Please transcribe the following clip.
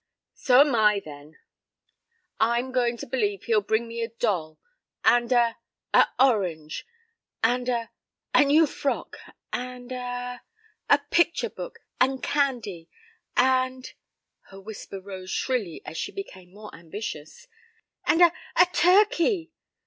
"So'm I, then," answered Gerty. "I'm goin' to believe he'll bring me a doll, and a a orange, and a a new frock, and a a picture book and candy, and " her whisper rose shrilly as she became more ambitious, "and a a turkey!"